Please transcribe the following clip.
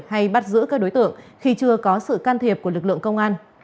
hay bắt giữ các đối tượng khi chưa có sự can thiệp của lực lượng công an